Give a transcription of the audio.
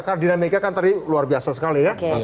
karena dinamika kan tadi luar biasa sekali ya